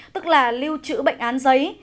tức là lưu trữ bệnh án giấy